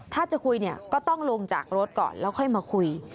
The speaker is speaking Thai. ถ้าจะคุยเนี่ยก็ต้องลงจากรถก่อนแล้วค่อยมาคุย